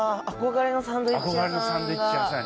憧れのサンドイッチ屋さんが。